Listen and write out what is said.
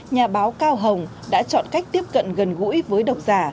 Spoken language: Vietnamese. nhà báo cao hồng đã chọn cách tiếp cận gần gũi với độc giả